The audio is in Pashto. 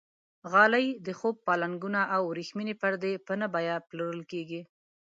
غالۍ، د خوب پالنګونه او وریښمینې پردې په نه بیه پلورل کېږي.